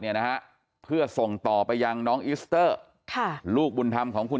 เนี่ยนะฮะเพื่อส่งต่อไปยังน้องอิสเตอร์ค่ะลูกบุญธรรมของคุณ